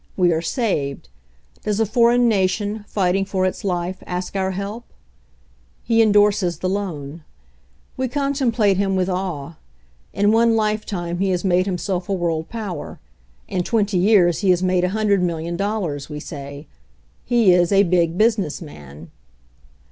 We are saved. Does a foreign nation, fighting for its life, ask our help? He endorses the loan. We contemplate him with awe. In one life time he has made himself a world power; it} twenty years he has made a hundred million dgl lars, we say. He is a Big Business Man.